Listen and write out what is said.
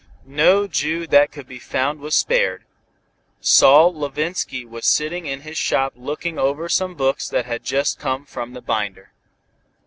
No Jew that could be found was spared. Saul Levinsky was sitting in his shop looking over some books that had just come from the binder.